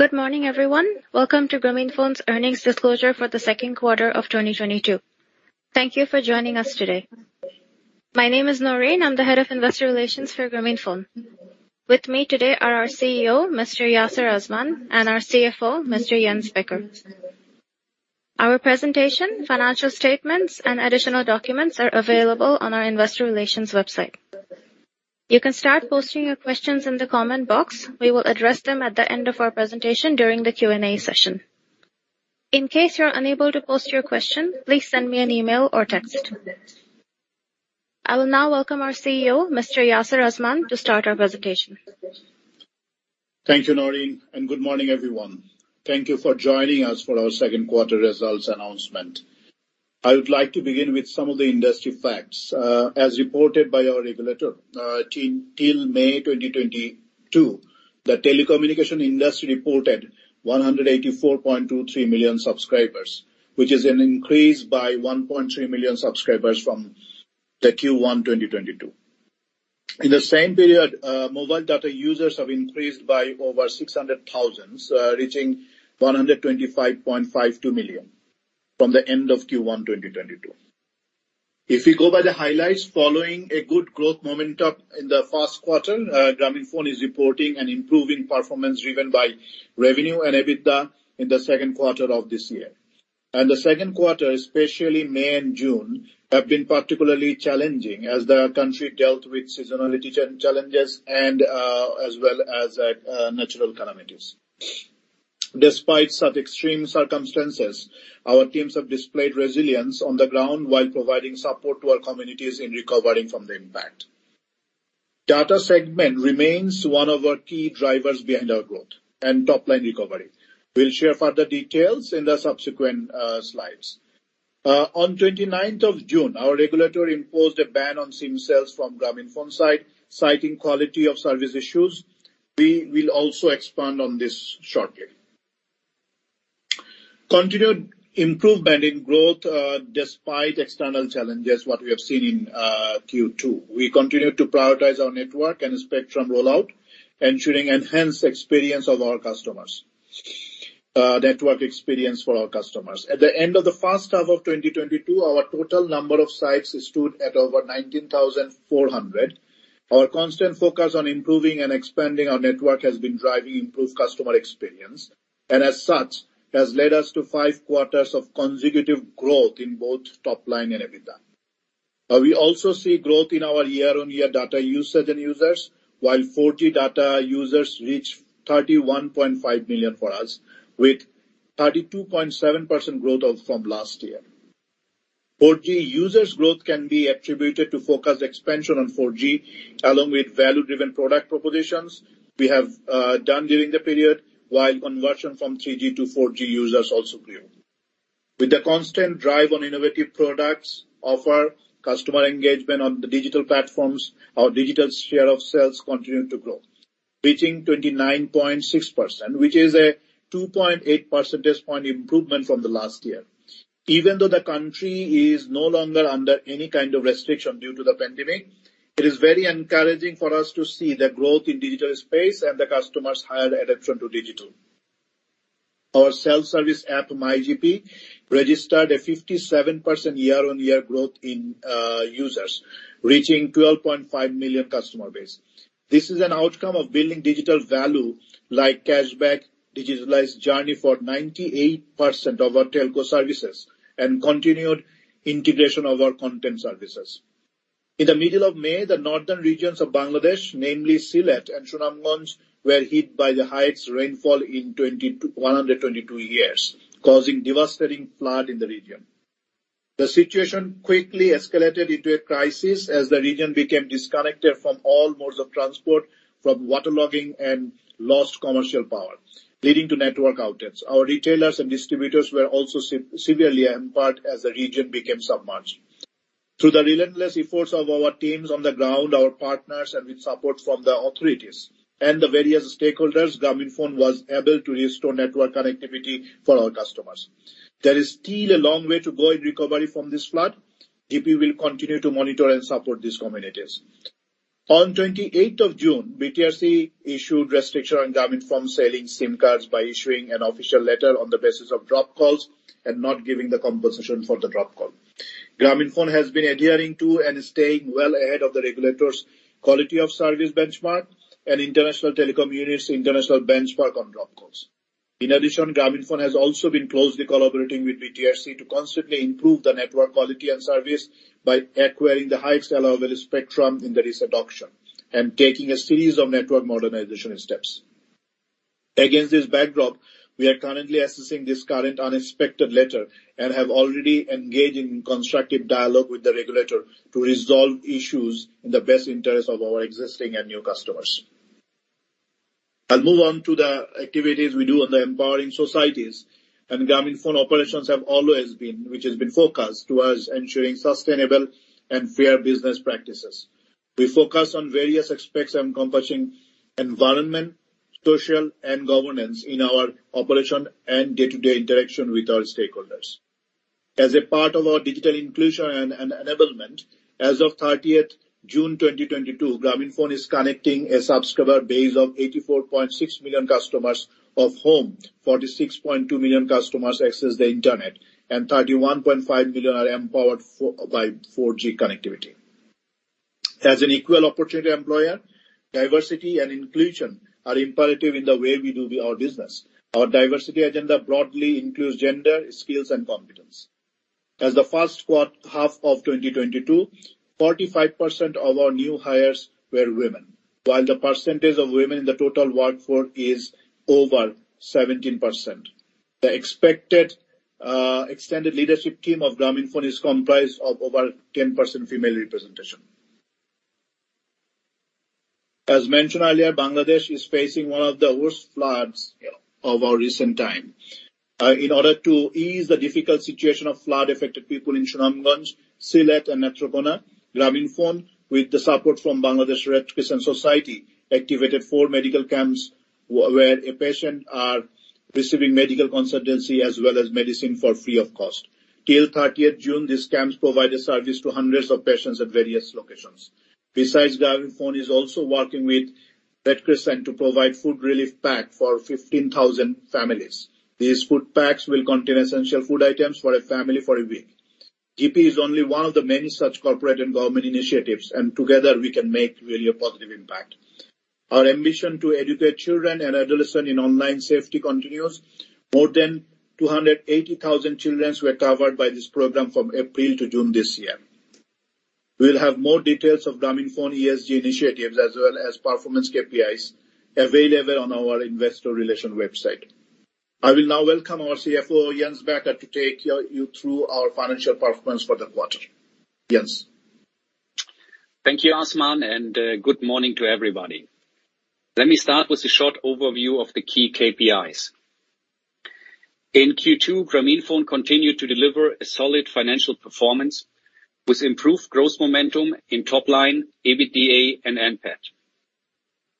Good morning, everyone. Welcome to Grameenphone's Earnings Disclosure for the Second Quarter of 2022. Thank you for joining us today. My name is Naureen. I'm the Head of Investor Relations for Grameenphone. With me today are our CEO, Mr. Yasir Azman, and our CFO, Mr. Jens Becker. Our presentation, financial statements, and additional documents are available on our investor relations website. You can start posting your questions in the comment box. We will address them at the end of our presentation during the Q&A session. In case you're unable to post your question, please send me an email or text. I will now welcome our CEO, Mr. Yasir Azman, to start our presentation. Thank you, Naureen, and good morning, everyone. Thank you for joining us for our second quarter results announcement. I would like to begin with some of the industry facts. As reported by our regulator, till May 2022, the telecommunication industry reported 184.23 million subscribers, which is an increase by 1.3 million subscribers from the Q1 2022. In the same period, mobile data users have increased by over 600,000, reaching 125.52 million from the end of Q1 2022. If we go by the highlights following a good growth momentum in the first quarter, Grameenphone is reporting an improving performance driven by revenue and EBITDA in the second quarter of this year. The second quarter, especially May and June, have been particularly challenging as the country dealt with seasonality challenges and, as well as, natural calamities. Despite such extreme circumstances, our teams have displayed resilience on the ground while providing support to our communities in recovering from the impact. Data segment remains one of our key drivers behind our growth and top-line recovery. We'll share further details in the subsequent slides. On 29th of June, our regulator imposed a ban on SIM sales from Grameenphone site, citing quality of service issues. We will also expand on this shortly. Continued improvement in growth, despite external challenges, what we have seen in Q2. We continue to prioritize our network and spectrum rollout, ensuring enhanced experience of our customers, network experience for our customers. At the end of the first half of 2022, our total number of sites stood at over 19,400. Our constant focus on improving and expanding our network has been driving improved customer experience, and as such, has led us to five quarters of consecutive growth in both top line and EBITDA. We also see growth in our year-on-year data usage and users, while 4G data users reach 31.5 million for us with 32.7% growth from last year. 4G users growth can be attributed to focused expansion on 4G along with value-driven product propositions we have done during the period, while conversion from 3G to 4G users also grew. With the constant drive on innovative products, offer customer engagement on the digital platforms, our digital share of sales continue to grow, reaching 29.6%, which is a 2.8 percentage point improvement from the last year. Even though the country is no longer under any kind of restriction due to the pandemic, it is very encouraging for us to see the growth in digital space and the customers' higher adoption to digital. Our self-service app, MyGP, registered a 57% year-on-year growth in users, reaching 12.5 million customer base. This is an outcome of building digital value like cashback, digitalized journey for 98% of our telco services, and continued integration of our content services. In the middle of May, the northern regions of Bangladesh, namely Sylhet and Sunamganj, were hit by the highest rainfall in 122 years, causing devastating flood in the region. The situation quickly escalated into a crisis as the region became disconnected from all modes of transport, from waterlogging and lost commercial power, leading to network outage. Our retailers and distributors were also severely impaired as the region became submerged. Through the relentless efforts of our teams on the ground, our partners, and with support from the authorities and the various stakeholders, Grameenphone was able to restore network connectivity for our customers. There is still a long way to go in recovery from this flood. GP will continue to monitor and support these communities. On 28th of June, BTRC issued restriction on Grameenphone selling SIM cards by issuing an official letter on the basis of dropped calls and not giving the compensation for the dropped call. Grameenphone has been adhering to and staying well ahead of the regulator's quality of service benchmark and international telecom units, international benchmark on dropped calls. In addition, Grameenphone has also been closely collaborating with BTRC to constantly improve the network quality and service by acquiring the highest allowable spectrum in the recent auction and taking a series of network modernization steps. Against this backdrop, we are currently assessing this current unexpected letter and have already engaged in constructive dialogue with the regulator to resolve issues in the best interest of our existing and new customers. I'll move on to the activities we do on the empowering societies. Grameenphone operations have always been, which has been focused towards ensuring sustainable and fair business practices. We focus on various aspects encompassing environment, social, and governance in our operation and day-to-day interaction with our stakeholders. As a part of our digital inclusion and enablement, as of thirtieth June 2022, Grameenphone is connecting a subscriber base of 84.6 million customers, of whom 46.2 million customers access the internet, and 31.5 million are empowered by 4G connectivity. As an equal opportunity employer, diversity and inclusion are imperative in the way we do our business. Our diversity agenda broadly includes gender, skills, and competence. As the first half of 2022, 45% of our new hires were women, while the percentage of women in the total workforce is over 17%. The extended leadership team of Grameenphone is comprised of over 10% female representation. As mentioned earlier, Bangladesh is facing one of the worst floods of our recent time. In order to ease the difficult situation of flood-affected people in Sunamganj, Sylhet, and Netrakona, Grameenphone, with the support from Bangladesh Red Crescent Society, activated four medical camps where patients are receiving medical consultancy as well as medicine free of cost. Till 30 June, these camps provided service to hundreds of patients at various locations. Besides, Grameenphone is also working with Red Crescent to provide food relief packs for 15,000 families. These food packs will contain essential food items for a family for a week. GP is only one of the many such corporate and government initiatives, and together we can make really a positive impact. Our ambition to educate children and adolescents in online safety continues. More than 280,000 children were covered by this program from April to June this year. We'll have more details of Grameenphone ESG initiatives as well as performance KPIs available on our investor relations website. I will now welcome our CFO, Jens Becker, to take you through our financial performance for the quarter. Jens. Thank you, Azman, and good morning to everybody. Let me start with a short overview of the key KPIs. In Q2, Grameenphone continued to deliver a solid financial performance with improved growth momentum in top line, EBITDA, and NPAT.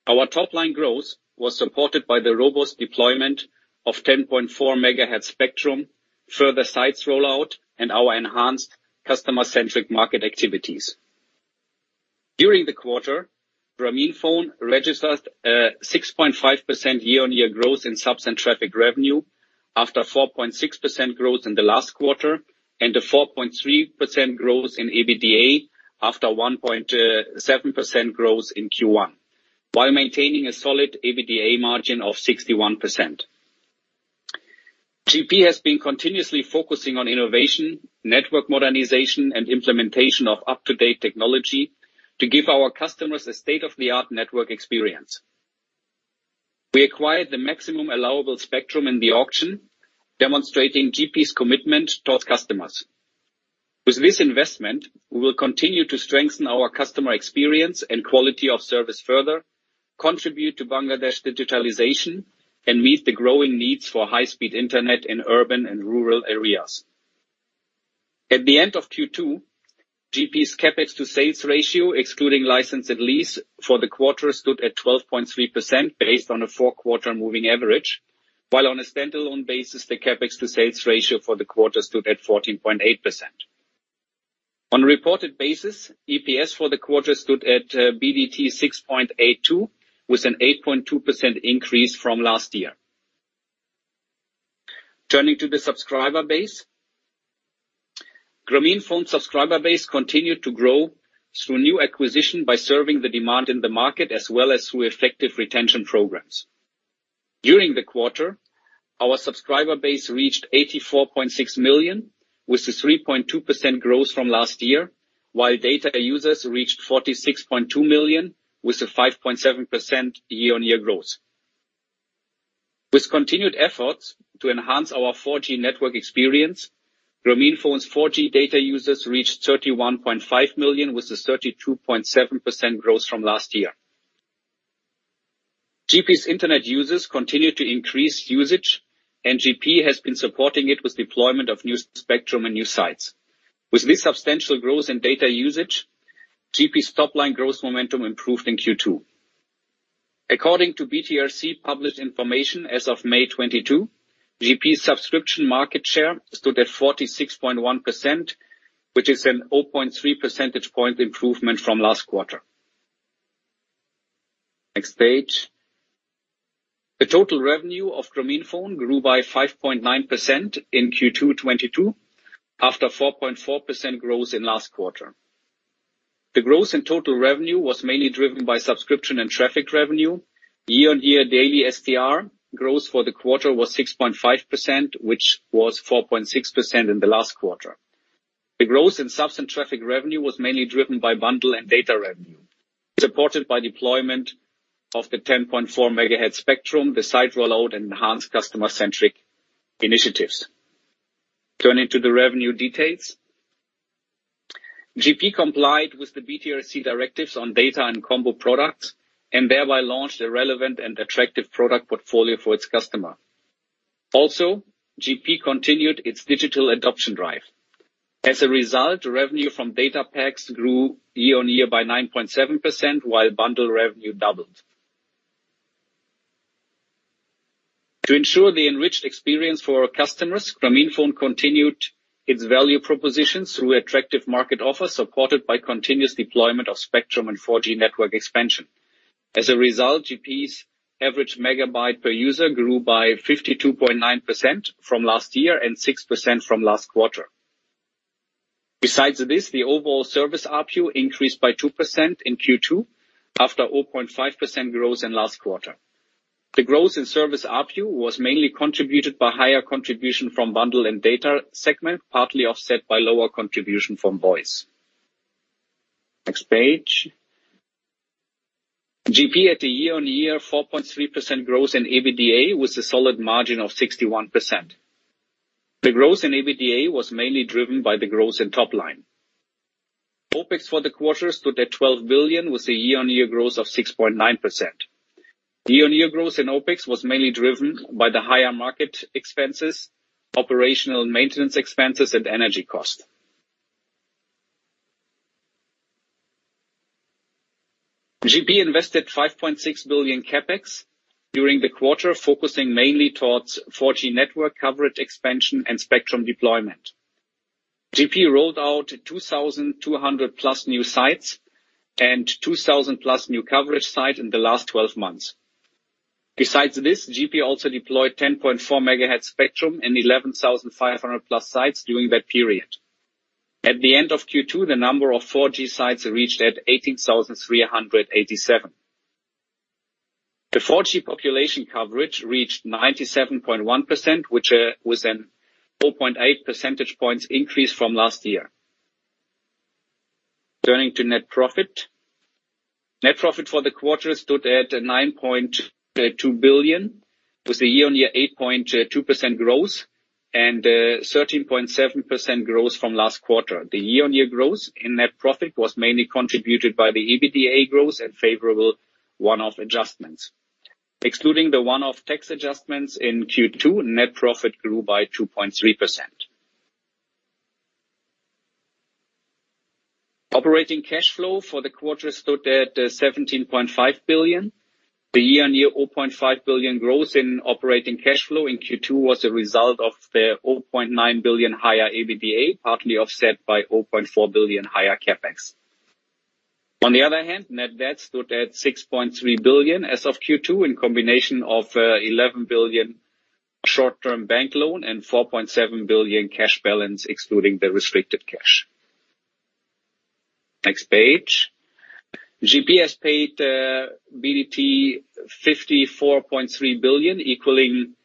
Our top-line growth was supported by the robust deployment of 10.4 MHz spectrum, further sites rollout, and our enhanced customer-centric market activities. During the quarter, Grameenphone registered a 6.5% year-on-year growth in subs and traffic revenue after 4.6% growth in the last quarter, and a 4.3% growth in EBITDA after 1.7% growth in Q1, while maintaining a solid EBITDA margin of 61%. GP has been continuously focusing on innovation, network modernization, and implementation of up-to-date technology to give our customers a state-of-the-art network experience. We acquired the maximum allowable spectrum in the auction, demonstrating GP's commitment towards customers. With this investment, we will continue to strengthen our customer experience and quality of service further, contribute to Bangladesh digitalization, and meet the growing needs for high-speed internet in urban and rural areas. At the end of Q2, GP's CapEx to sales ratio, excluding license and lease for the quarter, stood at 12.3% based on a four-quarter moving average, while on a standalone basis, the CapEx to sales ratio for the quarter stood at 14.8%. On a reported basis, EPS for the quarter stood at BDT 6.82, with an 8.2% increase from last year. Turning to the subscriber base. Grameenphone subscriber base continued to grow through new acquisition by serving the demand in the market as well as through effective retention programs. During the quarter, our subscriber base reached 84.6 million, with a 3.2% growth from last year, while data users reached 46.2 million, with a 5.7% year-on-year growth. With continued efforts to enhance our 4G network experience, Grameenphone's 4G data users reached 31.5 million with a 32.7% growth from last year. GP's internet users continue to increase usage, and GP has been supporting it with deployment of new spectrum and new sites. With this substantial growth in data usage, GP's top-line growth momentum improved in Q2. According to BTRC published information as of May 22, GP's subscription market share stood at 46.1%, which is a 0.3 percentage point improvement from last quarter. The total revenue of Grameenphone grew by 5.9% in Q2 2022 after 4.4% growth in last quarter. The growth in total revenue was mainly driven by subscription and traffic revenue. Year-on-year daily SDR growth for the quarter was 6.5%, which was 4.6% in the last quarter. The growth in subs and traffic revenue was mainly driven by bundle and data revenue, supported by deployment of the 10.4 MHz spectrum, the site rollout, and enhanced customer-centric initiatives. Turning to the revenue details. GP complied with the BTRC directives on data and combo products and thereby launched a relevant and attractive product portfolio for its customer. Also, GP continued its digital adoption drive. As a result, revenue from data packs grew year-on-year by 9.7%, while bundle revenue doubled. To ensure the enriched experience for our customers, Grameenphone continued its value propositions through attractive market offers, supported by continuous deployment of spectrum and 4G network expansion. As a result, GP's average megabyte per user grew by 52.9% from last year and 6% from last quarter. Besides this, the overall service RPU increased by 2% in Q2 after 0.5% growth in last quarter. The growth in service RPU was mainly contributed by higher contribution from bundle and data segment, partly offset by lower contribution from voice. Next page. GP had a year-on-year 4.3% growth in EBITDA with a solid margin of 61%. The growth in EBITDA was mainly driven by the growth in top line. OpEx for the quarter stood at BDT 12 billion, with a year-on-year growth of 6.9%. Year-on-year growth in OpEx was mainly driven by the higher market expenses, operational maintenance expenses and energy cost. GP invested BDT 5.6 billion CapEx during the quarter, focusing mainly towards 4G network coverage expansion and spectrum deployment. GP rolled out 2,200+ new sites and 2,000+ new coverage site in the last twelve months. Besides this, GP also deployed 10.4 MHz spectrum in 11,500+ sites during that period. At the end of Q2, the number of 4G sites reached at 18,387. The 4G population coverage reached 97.1%, which was a 4.8 percentage points increase from last year. Turning to net profit. Net profit for the quarter stood at BDT 9.2 billion. It was a year-on-year 8.2% growth and 13.7% growth from last quarter. The year-on-year growth in net profit was mainly contributed by the EBITDA growth and favorable one-off adjustments. Excluding the one-off tax adjustments in Q2, net profit grew by 2.3%. Operating cash flow for the quarter stood at BDT 17.5 billion. The year-on-year BDT 0.5 billion growth in operating cash flow in Q2 was a result of the BDT 0.9 billion higher EBITDA, partly offset by BDT 0.4 billion higher CapEx. On the other hand, net debt stood at BDT 6.3 billion as of Q2, in combination of BDT 11 billion short-term bank loan and BDT 4.7 billion cash balance, excluding the restricted cash. Next page. GP has paid BDT 54.3 billion, equaling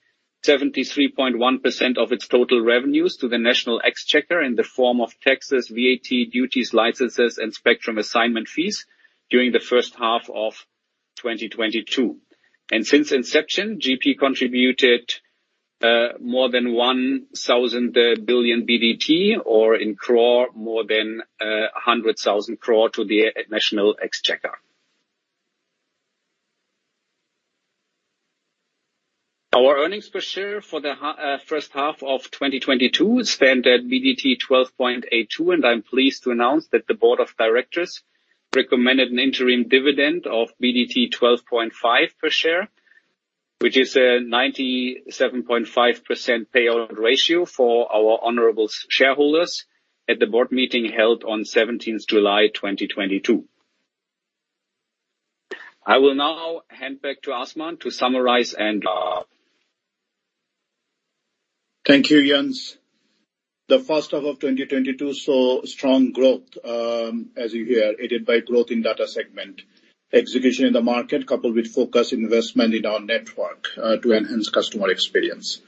73.1% of its total revenues to the National Exchequer in the form of taxes, VAT, duties, licenses, and spectrum assignment fees during the first half of 2022. Since inception, GP contributed more than BDT 1,000 billion, or in crore, more than 100,000 crore to the National Exchequer. Our earnings per share for the first half of 2022 stand at BDT 12.82, and I'm pleased to announce that the board of directors recommended an interim dividend of BDT 12.5 per share, which is a 97.5% payout ratio for our honorable shareholders at the board meeting held on 17th July 2022. I will now hand back to Azman to summarize and- Thank you, Jens. The first half of 2022 saw strong growth, as you hear, aided by growth in data segment, execution in the market, coupled with focused investment in our network, to enhance customer experience.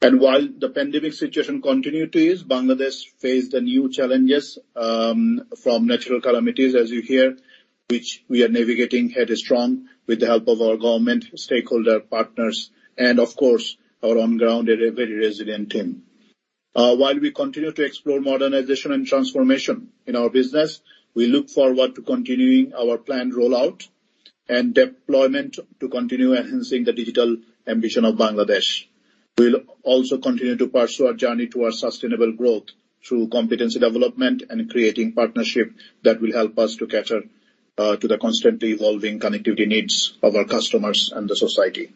While the pandemic situation continue to ease, Bangladesh faced the new challenges, from natural calamities, as you hear, which we are navigating head on with the help of our government, stakeholder partners and of course, our on-ground and a very resilient team. While we continue to explore modernization and transformation in our business, we look forward to continuing our planned rollout and deployment to continue enhancing the digital ambition of Bangladesh. We'll also continue to pursue our journey towards sustainable growth through competency development and creating partnership that will help us to cater, to the constantly evolving connectivity needs of our customers and the society.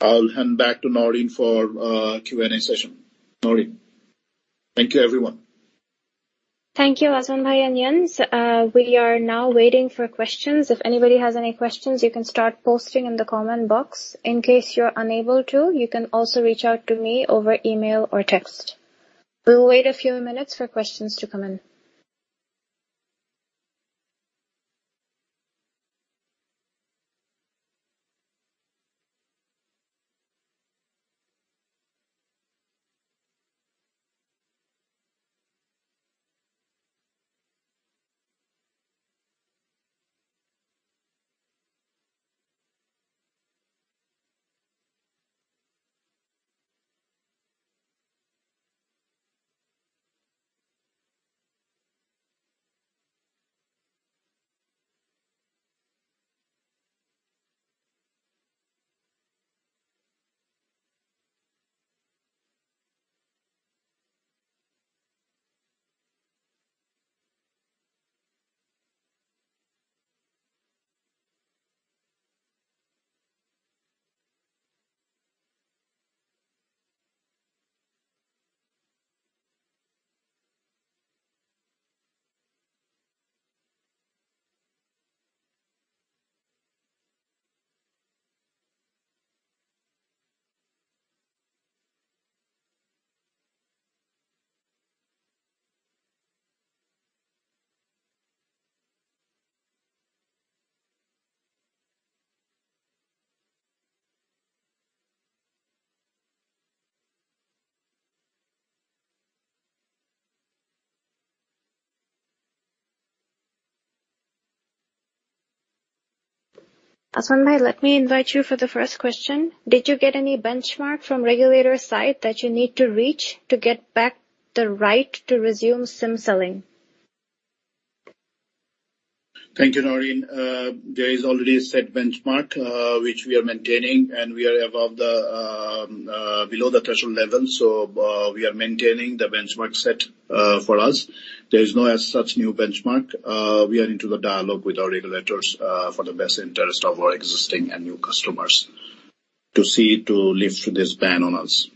I'll hand back to Naureen for Q&A session. Naureen. Thank you, everyone. Thank you, Azman Bhai and Jens. We are now waiting for questions. If anybody has any questions, you can start posting in the comment box. In case you're unable to, you can also reach out to me over email or text. We will wait a few minutes for questions to come in. Azman Bhai, let me invite you for the first question. Did you get any benchmark from regulator side that you need to reach to get back the right to resume SIM selling? Thank you, Naureen. There is already a set benchmark which we are maintaining, and we are below the threshold level. We are maintaining the benchmark set for us. There is no as such new benchmark. We are into the dialogue with our regulators for the best interest of our existing and new customers to see to lift this ban on us.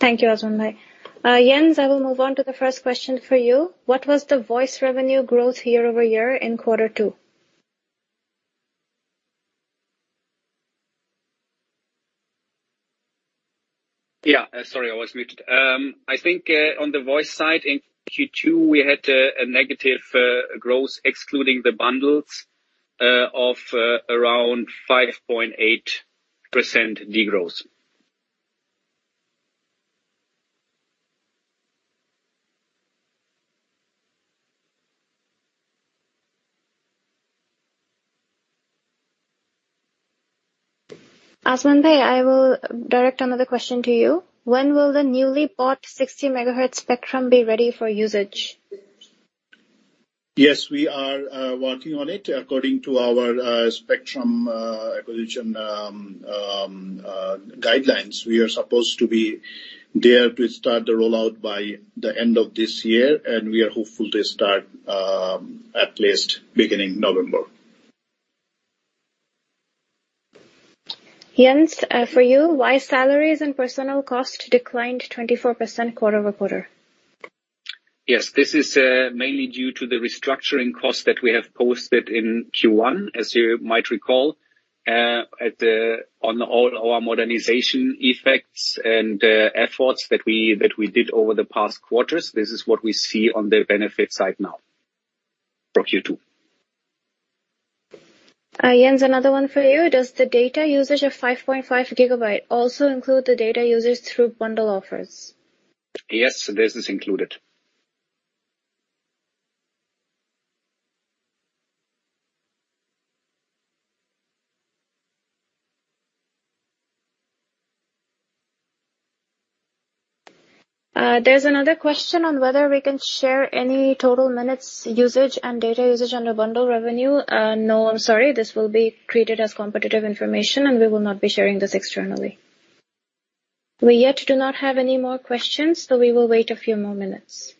Thank you, Azman Bhai. Jens, I will move on to the first question for you. What was the voice revenue growth year-over-year in quarter two? Yeah. Sorry, I was muted. I think on the voice side in Q2, we had a negative growth excluding the bundles of around 5.8% de-growth. Azman Bhai, I will direct another question to you. When will the newly bought 60 MHz spectrum be ready for usage? Yes, we are working on it according to our spectrum acquisition guidelines. We are supposed to be there to start the rollout by the end of this year, and we are hopeful to start at least beginning November. Jens, for you. Why salaries and personnel costs declined 24% quarter-over-quarter? Yes. This is mainly due to the restructuring costs that we have posted in Q1, as you might recall. On all our modernization effects and efforts that we did over the past quarters. This is what we see on the benefit side now for Q2. Jens, another one for you. Does the data usage of 5.5 GB also include the data usage through bundle offers? Yes, this is included. There's another question on whether we can share any total minutes usage and data usage under bundle revenue. No, I'm sorry. This will be treated as competitive information, and we will not be sharing this externally. We yet do not have any more questions, so we will wait a few more minutes.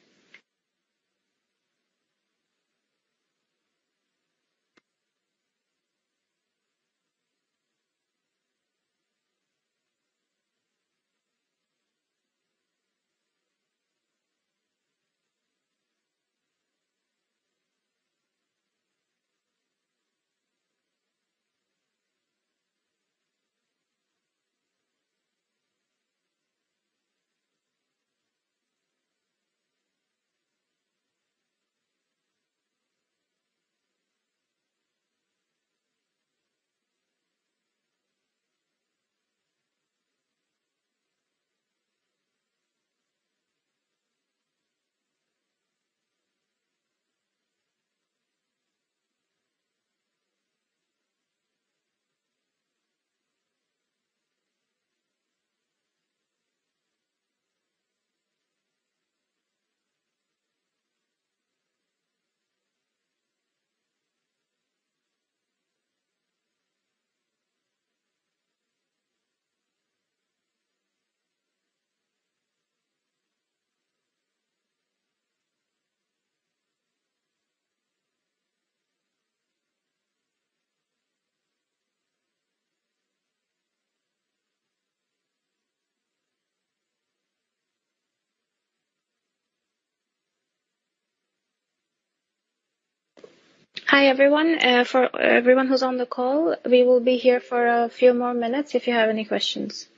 Hi, everyone. For everyone who's on the call, we will be here for a few more minutes if you have any questions.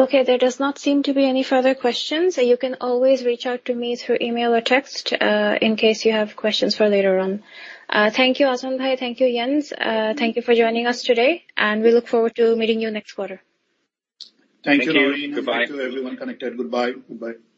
Okay, there does not seem to be any further questions. You can always reach out to me through email or text, in case you have questions for later on. Thank you, Azman Bhai. Thank you, Jens. Thank you for joining us today, and we look forward to meeting you next quarter. Thank you, Naureen. Thank you. Goodbye. Thank you everyone connected. Goodbye. Goodbye.